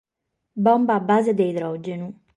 Bomba a base de idrògenu.